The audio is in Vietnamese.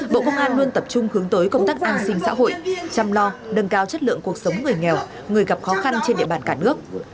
bộ công an luôn tập trung hướng tới công tác an sinh xã hội chăm lo nâng cao chất lượng cuộc sống người nghèo người gặp khó khăn trên địa bàn cả nước